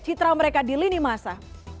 citra mereka di lini masa